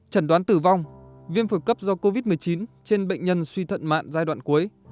trần đoán tử vong viêm phổi cấp do covid một mươi chín trên bệnh nhân suy thận mạng giai đoạn cuối